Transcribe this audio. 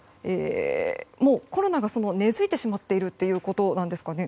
コロナが根付いてしまっているということなんですかね。